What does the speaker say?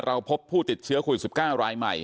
เราพบผู้ติดเชื้อโครวิทยุ๑๙รายใหม่